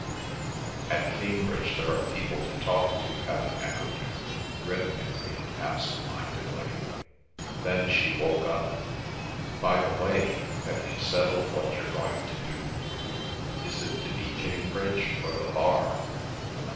"At Cambridge there are people to talk to," Helen echoed him, rhythmically and absent mindedly. Then she woke up. "By the way, have you settled what you're going to do—is it to be Cambridge or the Bar?"